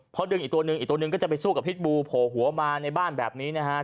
พอดึงอีกตัวหนึ่งอีกตัวหนึ่งก็จะไปสู้กับพิษบูโผล่หัวมาในบ้านแบบนี้นะฮะ